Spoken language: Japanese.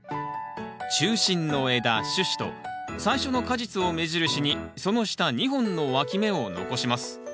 中心の枝主枝と最初の果実を目印にその下２本のわき芽を残します。